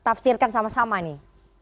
tafsirkan sama sama nih